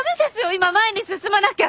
今前に進まなきゃ。